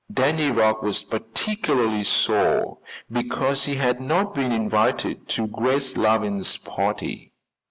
Danny Rugg was particularly sore because he had not been invited to Grace Lavine's party.